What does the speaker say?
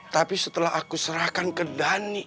tapi setelah aku serahkan ke dhani